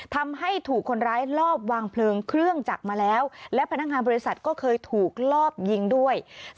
ทำให้ถูกคนร้ายลอบวางเพลิงเครื่องจักรมาแล้วและพนักงานบริษัทก็เคยถูกลอบยิงด้วย